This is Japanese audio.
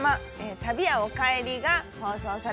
「旅屋おかえり」が放送されます。